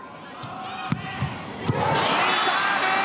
いいサーブ！